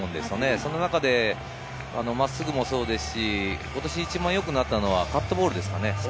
その中で真っすぐもそうですし、今年一番よくなったのはカットボールです。